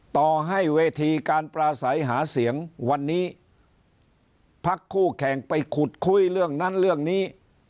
ต่อให้เวทีการปราศัยหาเสียงวันนี้พักคู่แข่งไปขุดคุยเรื่องนั้นเรื่องนี้